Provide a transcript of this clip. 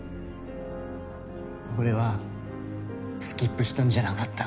俺はスキップしたんじゃなかった。